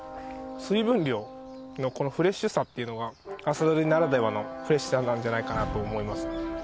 水分量のこのフレッシュさっていうのが朝採りならではのフレッシュさなんじゃないかなと思います。